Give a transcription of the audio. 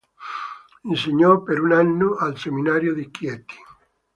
Insegnò per un anno al seminario di Chieti.